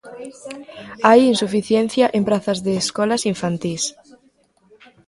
Hai insuficiencia en prazas de escolas infantís.